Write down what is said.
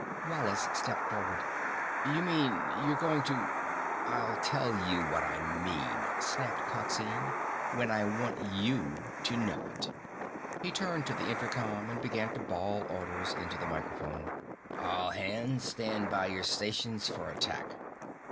Wallace stepped forward. "You mean, you're going to ?" "I'll tell you what I mean," snapped Coxine, "when I want you to know it!" He turned to the intercom and began to bawl orders into the microphone. "All hands! Stand by your stations for attack!"